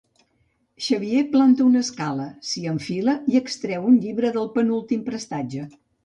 Xavier planta una escala, s'hi enfila i extreu un llibre del penúltim prestatge.